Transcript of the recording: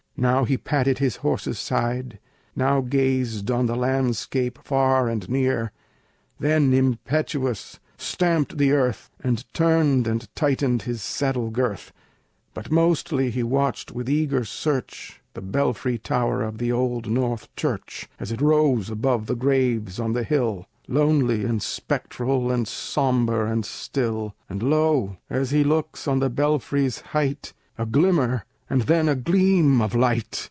Now he patted his horse's side, Now gazed at the landscape far and near, Then impetuous stamped the earth, And turned and tightened his saddle girth; But mostly he watched with eager search The belfry tower of the old North Church, As it rose above the graves on the hill, Lonely, and spectral, and sombre, and still. And lo! as he looks, on the belfry's height, A glimmer, and then a gleam of light!